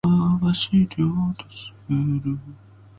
カレンダーに予定を書き込む。